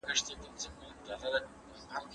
هر نیم ساعت کې څو دقیقې حرکت د شکر کمښت لامل کېږي.